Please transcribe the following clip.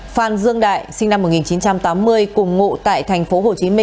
phan dương đại sinh năm một nghìn chín trăm tám mươi một